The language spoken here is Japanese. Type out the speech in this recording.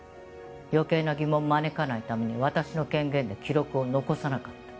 余計な疑問を招かないために私の権限で記録を残さなかった。